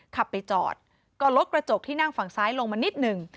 ขับไปจอดก็ลดกระจกที่นั่งฝั่งซ้ายลงมานิดหนึ่ง